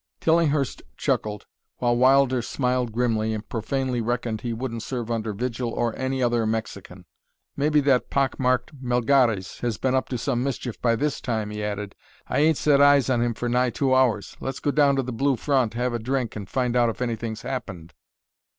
Tillinghurst chuckled, while Wilder smiled grimly and profanely reckoned he wouldn't serve under Vigil or any other Mexican. "Mebbe that pock marked Melgares has been up to some mischief by this time," he added. "I hain't set eyes on him for nigh two hours. Let's go down to the Blue Front, have a drink, and find out if anything's happened."